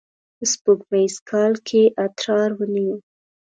په سپوږمیز کال کې یې اترار ونیو.